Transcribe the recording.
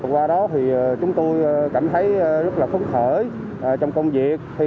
qua đó thì chúng tôi cảm thấy rất là phấn khởi trong công việc